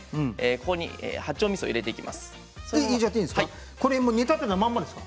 ここに八丁みそを入れていきます。